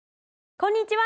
こんにちは。